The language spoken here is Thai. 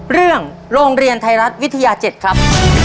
เรื่องโรงเรียนไทรรัฐวิทยา๗ครับ